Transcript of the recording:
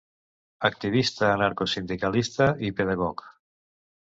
Activista anarcosindicalista i pedagog.